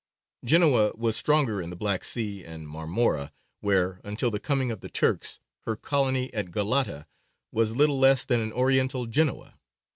Genoa was stronger in the Black Sea and Marmora, where, until the coming of the Turks, her colony at Galata was little less than an Oriental Genoa.